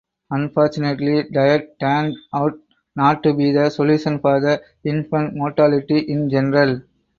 Unfortunately diet turned out not to be the solution for infant mortality in general.